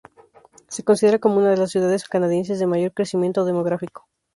Se considera como una de las ciudades canadienses de mayor crecimiento demográfico.